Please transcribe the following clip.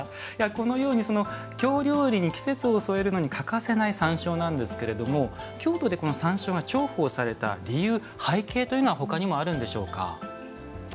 このように京料理に季節を添えるのに欠かせない山椒なんですけど京都で山椒が重宝された理由背景というのはほかにもあるんでしょうか。